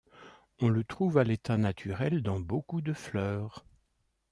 On le trouve à l'état naturel dans beaucoup de fleurs.